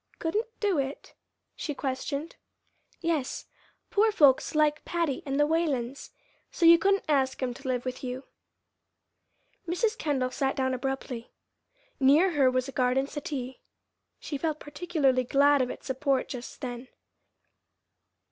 'Couldn't do it'?" she questioned. "Yes; poor folks like Patty and the Whalens, and so you couldn't ask 'em to live with you." Mrs. Kendall sat down abruptly. Near her was a garden settee. She felt particularly glad of its support just then.